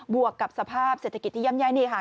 วกกับสภาพเศรษฐกิจที่ย่ำแย่นี่ค่ะ